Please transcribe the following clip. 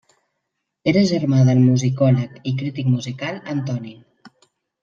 Era germà del musicòleg i crític musical Antoni.